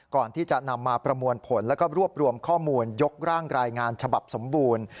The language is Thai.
ก่อนที่จะนำมาประมวลผลแล้วก็รวบรวมข้อมูลยกร่างรายงานฉบับสมบูรณ์